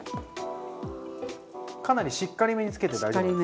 かなりしっかりめにつけて大丈夫ですか？